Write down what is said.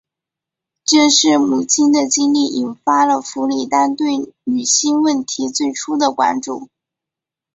正是母亲的经历引发了弗里丹对女性问题最初的关注。